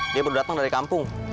dia baru datang dari kampung